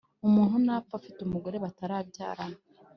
umuntu napfa afite umugore batarabyarana